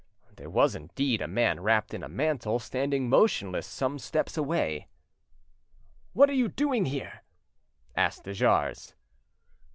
There was indeed a man wrapped in a mantle standing motionless some steps away. "What are you doing here?" asked de Jars.